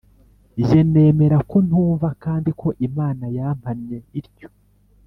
Jye nemera ko ntumva kandi ko Imana yampannye ityo